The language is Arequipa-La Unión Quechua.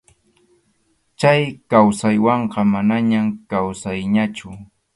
Chay kawsaywanqa manañam kawsayñachu.